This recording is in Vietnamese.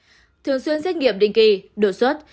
đặc biệt thường xuyên xét nghiệm định kỳ đột xuất